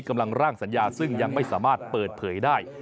กำลังร่างสัญญาซึ่งยังไม่สามารถเปิดเผยได้